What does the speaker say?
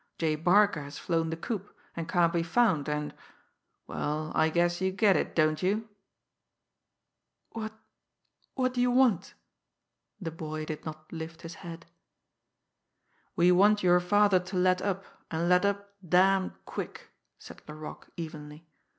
J. Barca has flown the coop and can't be found, and well, I guess you get it, don't you?" "What what do you want?" The boy did not lift his head. "We want your father to let up, and let up damned quick," said Laroque evenly.